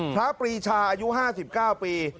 ปรีชาอายุ๕๙ปี